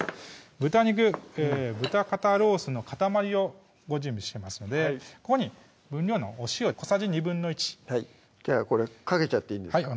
豚肉豚肩ロースのかたまりをご準備してますのでここに分量のお塩小さじ１／２じゃあこれかけちゃっていいんですか？